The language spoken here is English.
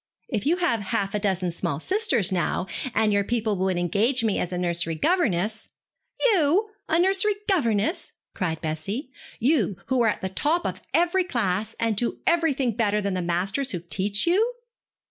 If you had half a dozen small sisters, now, and your people would engage me as a nursery governess ' 'You a nursery governess!' cried Bessie, 'you who are at the top of every class, and who do everything better than the masters who teach you?'